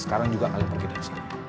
sekarang juga kalian pergi dari sana